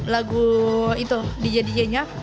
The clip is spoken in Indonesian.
lagu itu dj dj nya